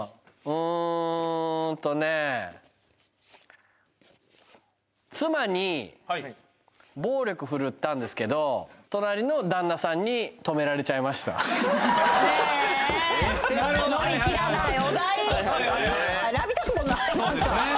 うとね妻に暴力振るったんですけど隣の旦那さんに止められちゃいましたねえ！